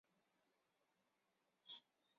根茎冰草为禾本科冰草属下的一个种。